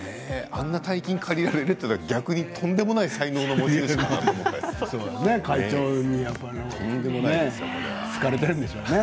あんな大金借りられるって逆にとんでもない才能の持ち主ですね。